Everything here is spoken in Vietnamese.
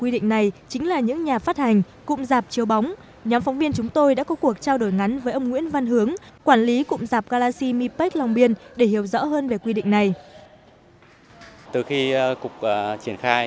đã có cuộc trao đổi ngắn với ông nguyễn văn hướng quản lý cụm giạp galaxy mipac long biên để hiểu rõ hơn về quy định này